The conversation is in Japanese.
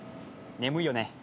眠いよね。